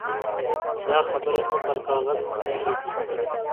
دا خبرې مو پر کاغذ منلي دي.